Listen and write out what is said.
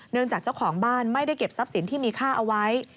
จากเจ้าของบ้านไม่ได้เก็บทรัพย์สินที่มีค่าเอาไว้